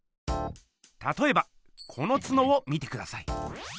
たとえばこのツノを見てください。